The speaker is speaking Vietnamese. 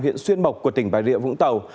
huyện xuyên mộc của tỉnh bà rịa vũng tàu